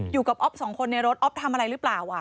อ๊อฟสองคนในรถอ๊อฟทำอะไรหรือเปล่า